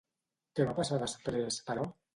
Què va passar després, però?